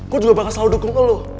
gue juga bakal selalu dukung lo